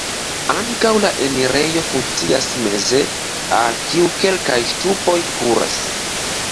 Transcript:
Ankaŭ la enirejo funkcias meze, al kiu kelkaj ŝtupoj kuras.